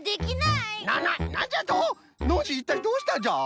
いったいどうしたんじゃ？